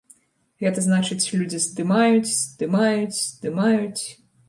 Гэта значыць, людзі здымаюць, здымаюць, здымаюць.